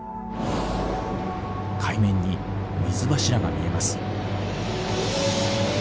海面に水柱が見えます。